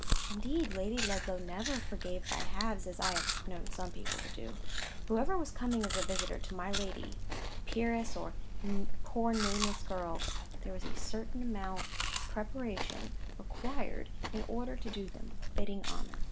Indeed, Lady Ludlow never forgave by halves, as I have known some people do. Whoever was coming as a visitor to my lady, peeress, or poor nameless girl, there was a certain amount of preparation required in order to do them fitting honour.